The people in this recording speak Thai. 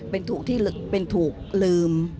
เป็นถูกที่เป็นถูกลืม